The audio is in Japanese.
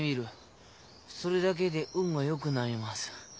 それだけで運がよくなります」。